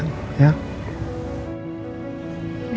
aku tutup salam ya